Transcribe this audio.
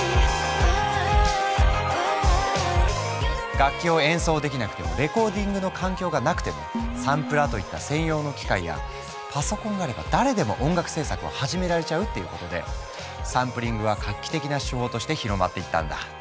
楽器を演奏できなくてもレコーディングの環境がなくてもサンプラーといった専用の機械やパソコンがあれば誰でも音楽制作を始められちゃうっていうことでサンプリングは画期的な手法として広まっていったんだ。